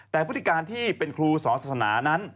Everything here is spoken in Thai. แต่พฤติการที่เป็นครูสอนศาสนานั้น